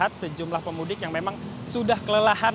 tempat beristirahat sejumlah pemudik yang memang sudah kelelahan